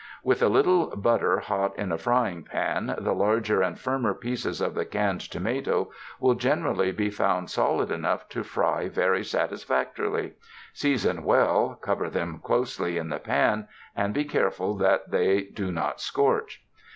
With a little butter hot in a frying pan, the larger and firmer pieces of the canned tomato will generally be found solid enough to fry very satisfactorily. Season well, cover them closely in the pan, and be careful that they do not scorch.